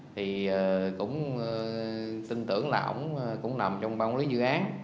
thì cũng tin tưởng là ổng cũng nằm trong ban quản lý dự án